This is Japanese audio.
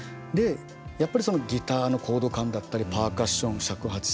やっぱりそのギターのコード感だったりパーカッション尺八さん